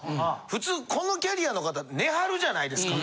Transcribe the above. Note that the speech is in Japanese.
普通このキャリアの方寝はるじゃないですか。